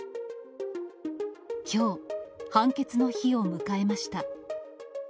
きょう、判決の日を迎えました。